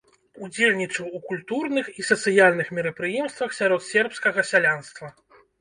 Удзельнічаў у культурных і сацыяльных мерапрыемствах сярод сербскага сялянства.